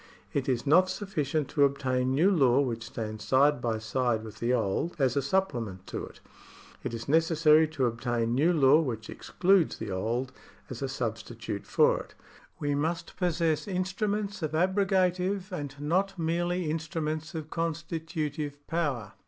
It is not sufficient to obtain new law which stands side by side Avith the old, as a supplement to it ; it is necessary to obtain new law which excludes the old, as a substitute for it. We must possess instruments of abrogative, and not merely instru ments of constitutive power.